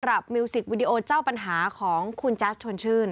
มิวสิกวิดีโอเจ้าปัญหาของคุณแจ๊สชวนชื่น